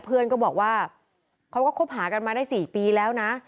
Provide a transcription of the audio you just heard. เพื่อนก็บอกว่าเขาก็คบหากันมาได้๔ปีแล้วนะ